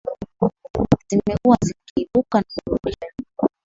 zimekuwa zikiibuka na kurudisha nyuma